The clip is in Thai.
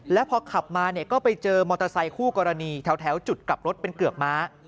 แล้วพอขับมาเนี่ยก็ไปเจอมอเตอร์ไซคู่กรณีแถวจุดกลับรถเป็นเกือกม้า